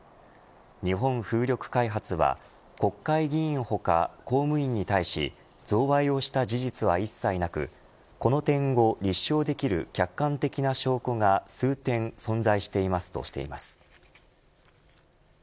日本風力開発は国会議員他、公務員に対し贈賄をした事実は一切なくこの点を立証できる客観的な証拠が数点存在していますとしています。